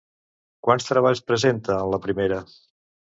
Quants treballs presenta en la primera?